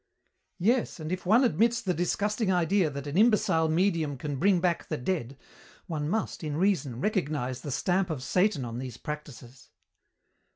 "Yes, and if one admits the disgusting idea that an imbecile medium can bring back the dead, one must, in reason, recognize the stamp of Satan on these practises."